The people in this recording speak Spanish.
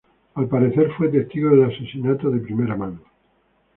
Al parecer, fue testigo del asesinato de primera mano.